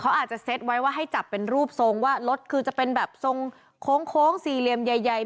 เขาอาจจะเซ็ตไว้ว่าให้จับเป็นรูปทรงว่ารถคือจะเป็นแบบทรงโค้งสี่เหลี่ยมใหญ่